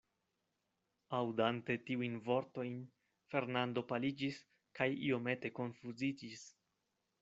Aŭdante tiujn vortojn, Fernando paliĝis kaj iomete konfuziĝis.